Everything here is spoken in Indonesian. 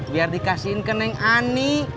biar dikasihin ke neng ani